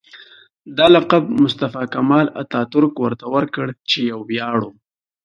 دا لقب مصطفی کمال اتاترک ورته ورکړ چې یو ویاړ و.